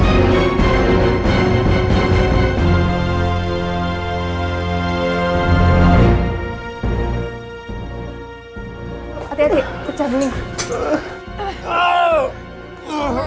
hati hati pecah dulu